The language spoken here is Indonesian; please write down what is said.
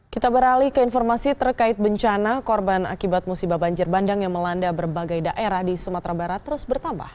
kita beralih ke informasi terkait bencana korban akibat musibah banjir bandang yang melanda berbagai daerah di sumatera barat terus bertambah